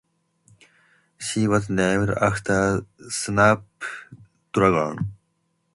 She was named after Snapdragon.